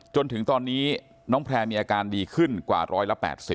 จนถึงตอนนี้น้องแพร่มีอาการดีขึ้นกว่า๑๘๐